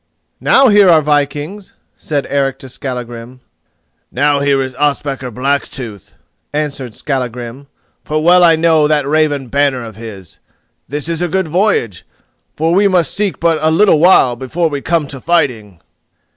"Now here are vikings," said Eric to Skallagrim. "Now here is Ospakar Blacktooth," answered Skallagrim, "for well I know that raven banner of his. This is a good voyage, for we must seek but a little while before we come to fighting."